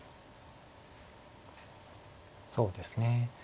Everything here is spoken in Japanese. そうですね